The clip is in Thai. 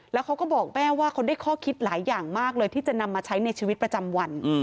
แล้วเขาก็บอกแม่ว่าเขาได้ข้อคิดหลายอย่างมากเลยที่จะนำมาใช้ในชีวิตประจำวัน